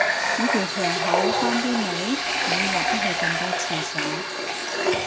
你條腸好返啲未，每日都去咁多廁所